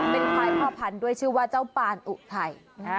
เป็นควายพ่อพันธุ์ด้วยชื่อว่าเจ้าปานอุทัย